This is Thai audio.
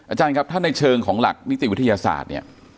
อาจารย์ครับถ้าในเชิงของหลักนิติวิทยาศาสตร์เนี่ย